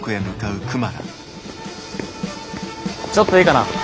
ちょっといいかな？